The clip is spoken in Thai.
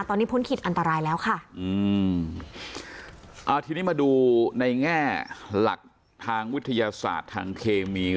ตอนนี้พ้นขีดอันตรายแล้วค่ะอืมอ่าทีนี้มาดูในแง่หลักทางวิทยาศาสตร์ทางเคมี